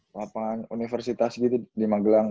papan universitas gitu di magelang